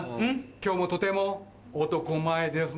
今日もとても男前ですね。